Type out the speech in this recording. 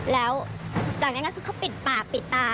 แล้วจากนั้นก็คือเขาปิดปากปิดตา